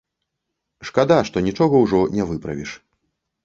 Шкада, што нічога ўжо не выправіш.